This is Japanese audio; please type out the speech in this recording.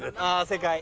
正解。